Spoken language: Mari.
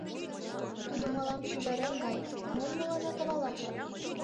Тудо мылам шӱжарем гай, мом мыланна тавалаш?